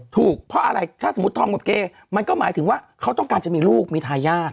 ถูกเพราะอะไรถ้าสมมุติธอมกับเกย์มันก็หมายถึงว่าเขาต้องการจะมีลูกมีทายาท